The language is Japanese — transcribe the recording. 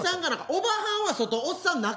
おばはんは外おっさん中。